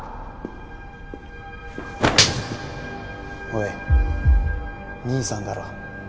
おい兄さんだろ？